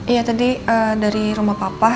iya tadi dari rumah papa